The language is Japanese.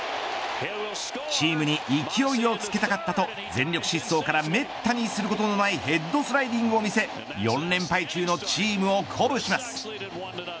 チームに勢いをつけたかったと全力疾走からめったにすることのないヘッドスライディングを見せ４連敗中のチームを鼓舞します。